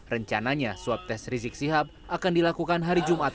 rencananya swab tes rizik sihab akan dilakukan hari jumat